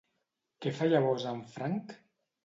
Què fa llavors en Frank?